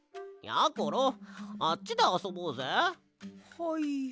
はい。